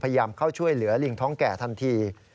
พยายามเข้าช่วยเหลือลิงท้องแก่ทันที